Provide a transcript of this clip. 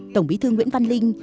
tổng bí thư nguyễn văn linh